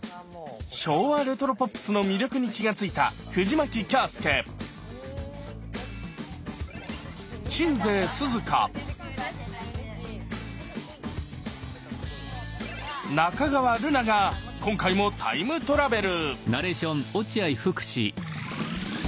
昭和レトロポップスの魅力に気がついたが今回もタイムトラベル！